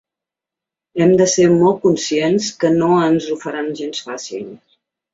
Hem de ser molt conscients que no ens ho faran gens fàcil.